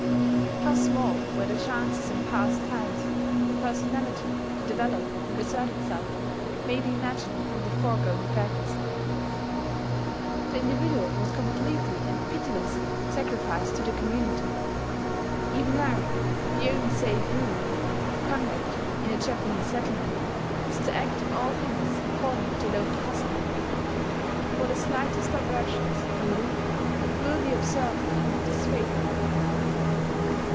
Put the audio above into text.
How small were the chances in past times for personality to develop and assert itself may be imagined from the foregoing facts. The individual was completely and pitilessly sacrificed to the community. Even now the only safe rule of conduct in a Japanese settlement is to act in all things according to local custom; for the slightest divergence from rule will be observed with disfavour.